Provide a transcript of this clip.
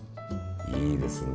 いいですね。